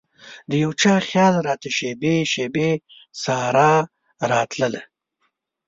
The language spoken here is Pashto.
دیو چا خیال راتلي شیبې ،شیبې سارا راتلله